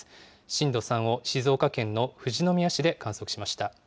震度３を静岡県の富士宮市で観測しました。